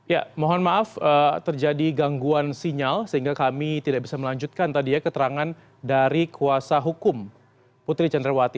ya mohon maaf terjadi gangguan sinyal sehingga kami tidak bisa melanjutkan tadi ya keterangan dari kuasa hukum putri candrawati